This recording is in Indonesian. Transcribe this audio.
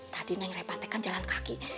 tadi neng repa tekan jalan kaki